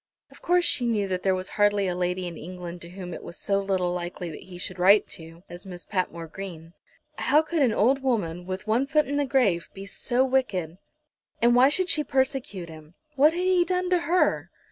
Of course she knew that there was hardly a lady in England to whom it was so little likely that he should write as to Miss Patmore Green. How could an old woman, with one foot in the grave, be so wicked? And why should she persecute him? What had he done to her?